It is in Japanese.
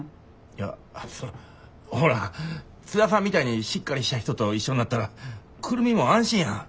いやそのほら津田さんみたいにしっかりした人と一緒になったら久留美も安心やん。